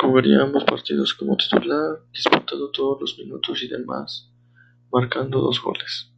Jugaría ambos partidos como titular, disputando todos los minutos y además, marcando dos goles.